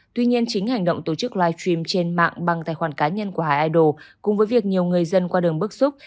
tuy nhiên chính hành động tổ chức live stream trên mạng bằng tài khoản cá nhân của hải idol cùng với việc nhiều người dân qua đường bức xúc